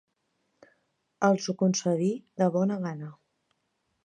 Els ho concedí de bona gana.